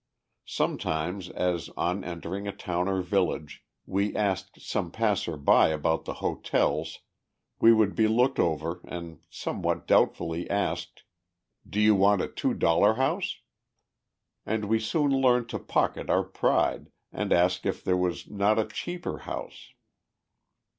Sometimes as, on entering a town or village, we asked some passer by about the hotels, we would be looked over and somewhat doubtfully asked: "Do you want a two dollar house?" And we soon learned to pocket our pride, and ask if there was not a cheaper house.